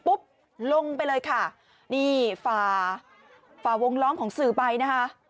ปุ๊บลงไปเลยค่ะนี่ฝาวงล้อมของสื่อใบนะคะ